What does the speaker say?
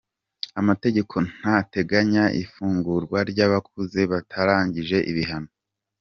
Amategeko ntateganya ifungurwa ry’abakuze batarangije ibihano .